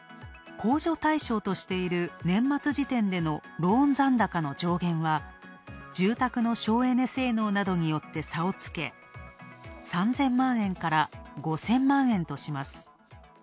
控除対象としている年末時点でのローン残高の上限は、住宅の省エネ性能などによって差をつけ、３０００万円から５０００万円とします。